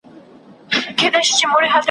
ته په خپل سیوري کي ورک یې ,